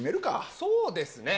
そうですね。